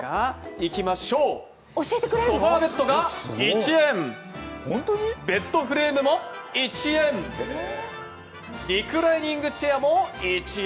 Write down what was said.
いきましょう、ソファーベッドが１円、ベッドフレームも１円、リクライニングチェアも１円。